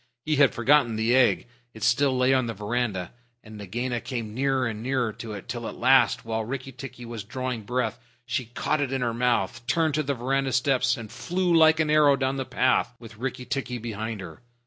He had forgotten the egg. It still lay on the veranda, and Nagaina came nearer and nearer to it, till at last, while Rikki tikki was drawing breath, she caught it in her mouth, turned to the veranda steps, and flew like an arrow down the path, with Rikki tikki behind her.